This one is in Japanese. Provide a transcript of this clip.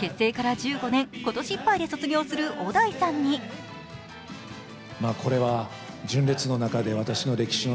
結成から１５年、今年いっぱいで卒業する小田井さんに純烈らしい卒コン。